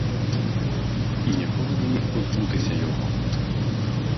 І ніколи не міг позбутися його.